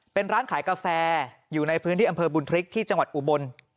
เป็นร้านขายกาแฟอยู่ในพื้นที่อำเภอบุญพริกที่จังหวัดอุบล